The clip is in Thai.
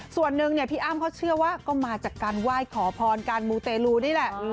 ส่วนหนึ่งเนี่ยพี่อ้ำเขาเชื่อว่าก็มาจากการไหว้ขอพรการมูเตลูนี่แหละ